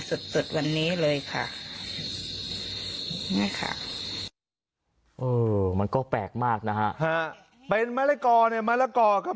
สุดสุดวันนี้เลยค่ะนี่ค่ะมันก็แปลกมากนะฮะเป็นมะเร็กอในมะเร็กอครับ